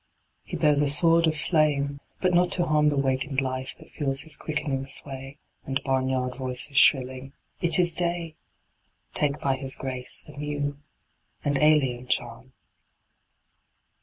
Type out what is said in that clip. He bears a sword of flame but not to harm The wakened life that feels his quickening sway And barnyard voices shrilling "It is day!" Take by his grace a new and alien charm.